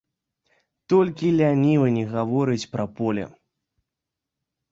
Толькі лянівы не гаворыць пра поле!